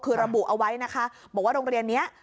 คือระบุเอาไว้นะคะบอกว่าโรงเรียนนี้